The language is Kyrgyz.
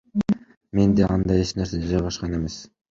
Менде андай эч нерсе жайгашкан эмес.